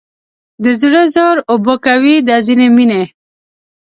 د زړه زور اوبه کوي دا ځینې مینې